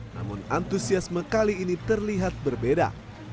namun antusiasme kali ini terlihat berbeda